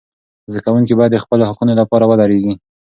زده کوونکي باید د خپلو حقوقو لپاره ودریږي.